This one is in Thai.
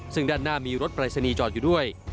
ซึ่งด้านหน้ามีรถปรายศนีย์จอดอยู่ด้วย